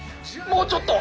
もうちょっと！